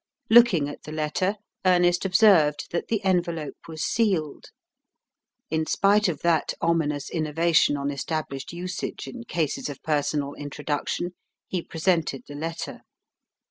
Looking at the letter, Ernest observed that the envelope was sealed. In spite of that ominous innovation on established usage in cases of personal introduction, he presented the letter.